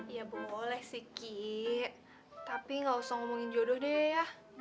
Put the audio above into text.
ya boleh sih ki tapi gak usah ngomongin jodoh deh ya